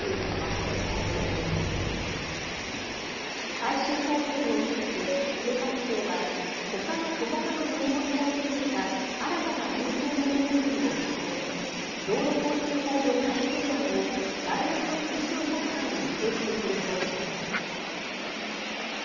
最終報告を受けて、警察庁は、ほかの小型の乗り物も含めた新たな交通ルール作りを進め、道路交通法の改正案を来年の通常国会に提出する方針です。